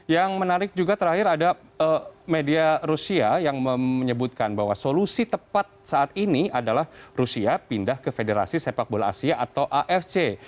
yang menarik juga terakhir ada media rusia yang menyebutkan bahwa solusi tepat saat ini adalah rusia pindah ke federasi sepak bola asia atau afc